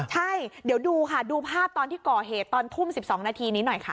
ใช่เดี๋ยวดูค่ะดูภาพตอนที่ก่อเหตุตอนทุ่ม๑๒นาทีนี้หน่อยค่ะ